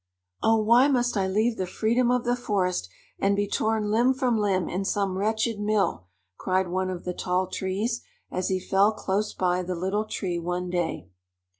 "Oh, why must I leave the freedom of the forest and be torn limb from limb in some wretched mill!" cried one of the tall trees, as he fell close by the Little Tree one day.